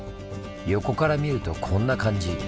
横から見るとこんな感じ。